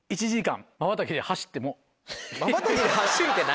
まばたきで走るって何？